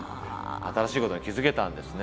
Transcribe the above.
新しいことに気づけたんですね。